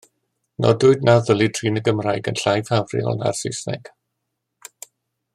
Nodwyd na ddylid trin y Gymraeg yn llai ffafriol na'r Saesneg.